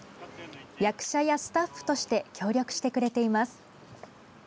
役者やスタッフとして協力してくれています。